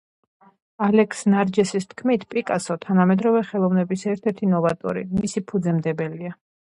ალექს ნარჯესის თქმით, პიკასო თანამედროვე ხელოვნების ერთ-ერთი ნოვატორი, მისი ფუძემდებელია.